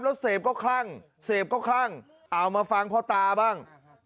แล้วเสพก็คลั่งเสพก็คลั่งเอามาฟังเพราะตาบ้างนะครับ